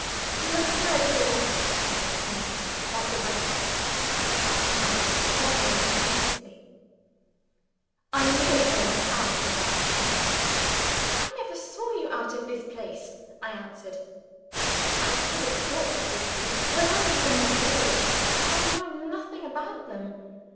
You have had your stare at me, like the rest," he cried, turning on me fiercely. "I knew it when you passed me last night." "I never saw you out of this place," I answered. "As for the portraits of you, whoever you may be, I know nothing about them.